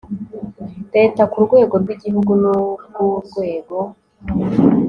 leta ku rwego rw igihugu n ubw urwego